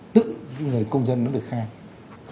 tự người công dân nó được khai